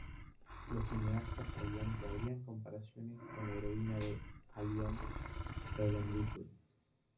Los cineastas sabían que habría comparaciones con la heroína de "Alien", Ellen Ripley.